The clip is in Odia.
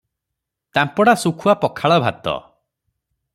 ତାମ୍ପଡ଼ା ଶୁଖୁଆ ପଖାଳ ଭାତ ।।